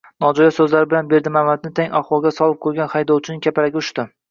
Nojo’ya so’zlari bilan Berdimamatni tang ahvolga solib qo’ygan haydovchining kapalagi uchdi.